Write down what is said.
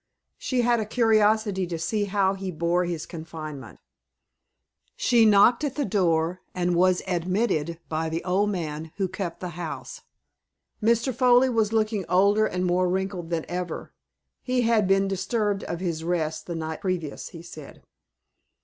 She had a curiosity to see how he bore his confinement. She knocked at the door, and was admitted by the old man who kept the house. Mr. Foley was looking older and more wrinkled than ever. He had been disturbed of his rest the night previous, he said.